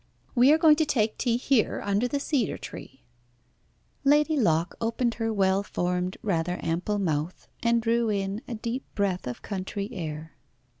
We are going to take tea here under the cedar tree." Lady Locke opened her well formed rather ample mouth, and drew in a deep breath of country air.